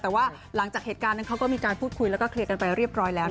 แต่ว่าหลังจากเหตุการณ์นั้นเขาก็มีการพูดคุยแล้วก็เคลียร์กันไปเรียบร้อยแล้ว